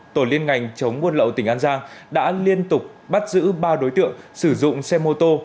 tổ liên ngành chống buôn lậu tỉnh an giang đã liên tục bắt giữ ba đối tượng sử dụng xe mô tô